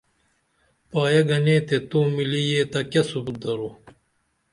پائیے گنے تے توملی یہ تہ کیہ ثبوت درو